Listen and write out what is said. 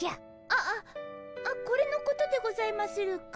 ああこれのことでございまするか？